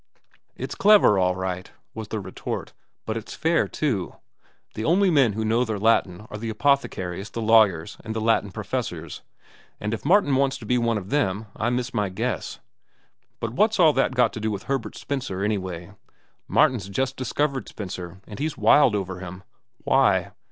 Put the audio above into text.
"It's clever all right," was the retort, "but it's fair, too. The only men who know their Latin are the apothecaries, the lawyers, and the Latin professors. And if Martin wants to be one of them, I miss my guess. But what's all that got to do with Herbert Spencer anyway? Martin's just discovered Spencer, and he's wild over him. Why?